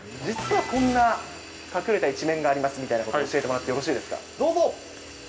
実はこんな隠れた一面がありますみたいなことを教えてもらってよろしいですか。